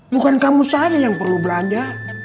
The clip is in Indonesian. bukan kamu saja yang perlu belanja